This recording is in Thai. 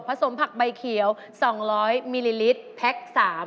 สมผักใบเขียว๒๐๐มิลลิลิตรแพ็ค๓